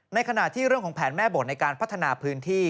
ในขณะที่เรื่องของแผนแม่บทในการพัฒนาพื้นที่